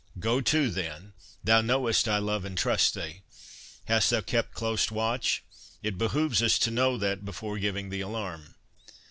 Go to then—thou knowest I love and trust thee. Hast thou kept close watch? It behoves us to know that, before giving the alarm."